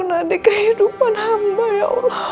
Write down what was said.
nadi kehidupan hamba ya allah